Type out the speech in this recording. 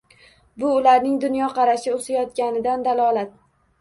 Bu – ularning dunyoqarashi o‘sayotganidan dalolat.